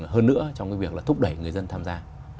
hơn nữa trong việc thúc đẩy người dân tham gia